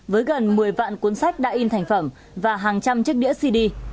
với gần một mươi vạn cuốn sách đã in thành phẩm và hàng trăm chiếc đĩa cd